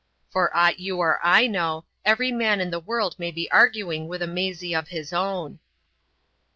For aught you or I know, every man in the world may be arguing with a Maisie of his own."